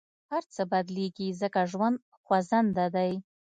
هر څه بدلېږي، ځکه ژوند خوځنده دی.